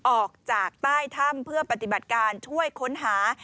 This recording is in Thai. ออกจากใต้ถ้ำเพื่อปฏิบัติการช่วยค้นหา